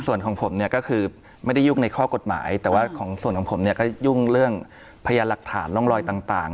ส่วนของผมเนี่ยก็คือไม่ได้ยุ่งในข้อกฎหมายแต่ว่าของส่วนของผมเนี่ยก็ยุ่งเรื่องพยานหลักฐานร่องรอยต่าง